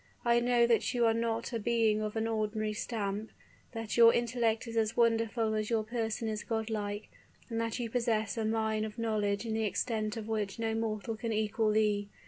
"I know that you are not a being of an ordinary stamp, that your intellect is as wonderful as your person is godlike, and that you possess a mine of knowledge in the extent of which no mortal can equal thee.